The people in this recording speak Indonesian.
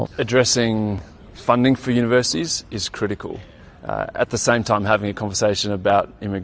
pembicaraan tentang imigrasi yang berdasarkan krisis rumah kita adalah penting